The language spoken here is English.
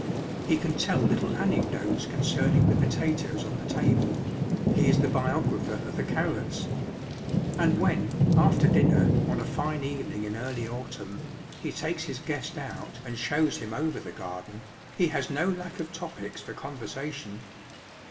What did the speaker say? He can tell little anecdotes con cerning the potatoes on the table ; he is the biographer of the carrots. And when, after dinner, on a fine evening in early autumn, he takes his guest out and shows him over the garden, he has no lack of topics for conversation.